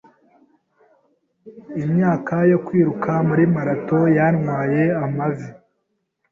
Imyaka yo kwiruka muri marato yantwaye amavi.